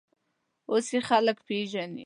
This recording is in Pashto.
اوس یې خلک پېژني.